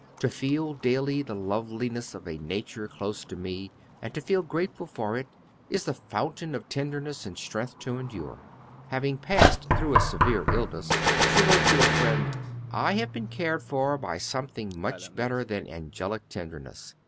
To feel daily the loveliness of a nature close to me, and to feel grateful for it, is the fountain of tenderness and strength to endure." Having passed through a severe illness, she wrote to a friend: "I have been cared for by something much better than angelic tenderness....